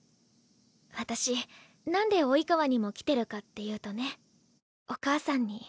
私なんで「生川」にも来てるかっていうとねお母さんに。